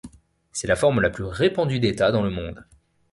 C'est la forme la plus répandue d'État dans le monde.